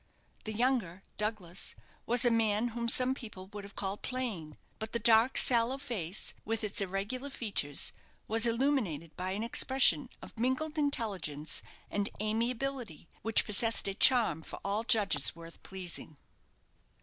The younger, Douglas, was a man whom some people would have called plain. But the dark sallow face, with its irregular features, was illuminated by an expression of mingled intelligence and amiability, which possessed a charm for all judges worth pleasing.